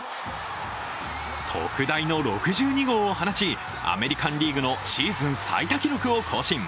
特大の６２号を放ちアメリカンリーグのシーズン最多記録を更新。